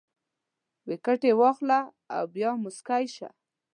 ویکټې واخله او بیا موسکی شه